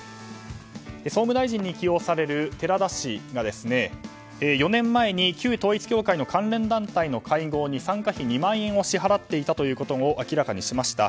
総務大臣に起用される寺田氏が４年前に旧統一教会の関連団体の会合に３万円を支払っていたことを明らかにしました。